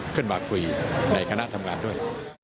ขึ้นมาคุยในคณะทำงานด้วย